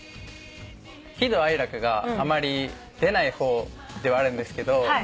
喜怒哀楽があまり出ない方ではあるんです。